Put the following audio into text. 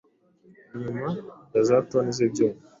inyuma ya za toni z’ibyuma